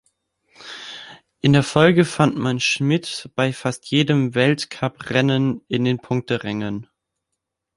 In der Folge fand man Schmitt bei fast jedem Weltcup-Rennen in den Punkterängen.